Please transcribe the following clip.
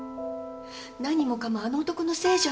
何もかもあの男のせいじゃない。